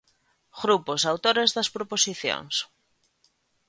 Grupos autores das proposicións.